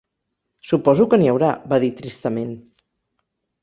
"Suposo que n'hi haurà", va dir tristament.